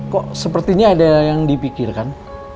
kok sepertinya ada yang dipikirkan